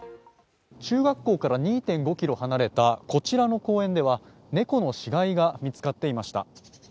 中学校から２．５ｋｍ離れたこちらの公園では猫の死骸が見つかっていました。